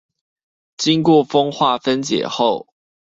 經過風化分解後